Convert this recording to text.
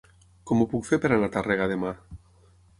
Com ho puc fer per anar a Tàrrega demà?